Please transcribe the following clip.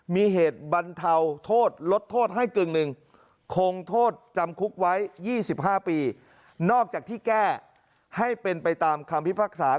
มีเหตุบรรเทาโทษลดโทษให้กึ่งหนึ่งคงโทษจำคุกไว้๒๕ปี